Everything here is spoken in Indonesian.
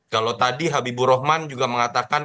kalau tadi habibu rohman juga mengatakan